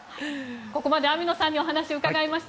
ここまで網野さんにお話伺いました。